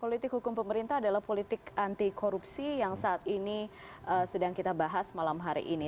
politik hukum pemerintah adalah politik anti korupsi yang saat ini sedang kita bahas malam hari ini